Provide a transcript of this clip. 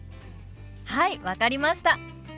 はい分かりました。